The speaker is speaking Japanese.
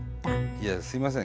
いやすいません。